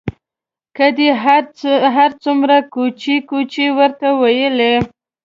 که دې هر څومره کوچې کوچې ورته وویلې.